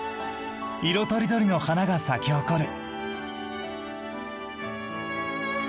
色とりどりの花が咲き誇る。